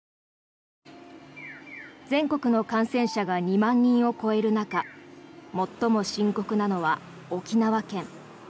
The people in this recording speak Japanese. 全国の感染者が２万人を超える中最も深刻なのは沖縄県。